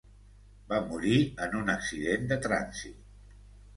Va morir en un accident de trànsit.